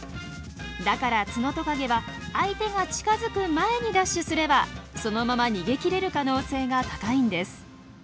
だからツノトカゲは相手が近づく前にダッシュすればそのまま逃げきれる可能性が高いんです。